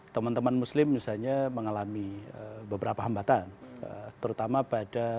teman teman muslim misalnya mengalami beberapa hambatan terutama pada